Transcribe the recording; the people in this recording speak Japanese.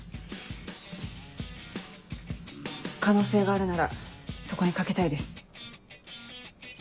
可能性があるならそこにかけたいです。